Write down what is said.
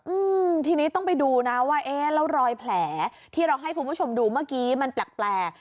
อืมทีนี้ต้องไปดูนะว่าเอ๊ะแล้วรอยแผลที่เราให้คุณผู้ชมดูเมื่อกี้มันแปลกแปลก